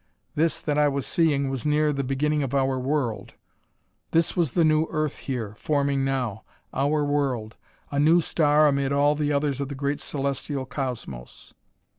This that I was seeing was near the beginning of our world. This was the new Earth here, forming now. Our world a new star amid all the others of the great Celestial Cosmos.